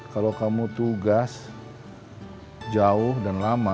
kalau kamu tugas jauh dan lama